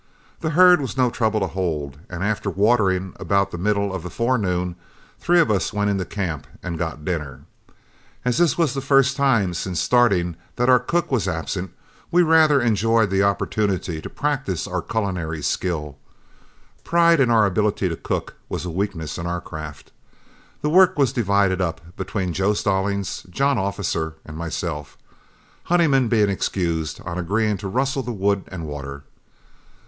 The herd was no trouble to hold, and after watering about the middle of the forenoon, three of us went into camp and got dinner. As this was the first time since starting that our cook was absent, we rather enjoyed the opportunity to practice our culinary skill. Pride in our ability to cook was a weakness in our craft. The work was divided up between Joe Stallings, John Officer, and myself, Honeyman being excused on agreeing to rustle the wood and water.